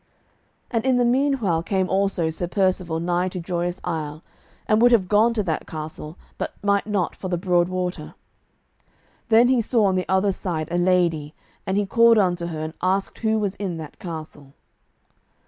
And in the meanwhile came also Sir Percivale nigh to Joyous Isle, and would have gone to that castle, but might not for the broad water. Then he saw on the other side a lady, and he called unto her and asked who was in that castle.